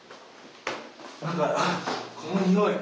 何かあっこのにおい。